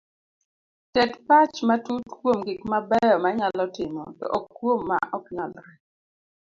Ket pach matut kuom gik mabeyo ma inyalo timo to ok kuom ma oknyalre